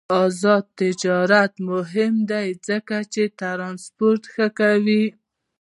آزاد تجارت مهم دی ځکه چې ترانسپورت ښه کوي.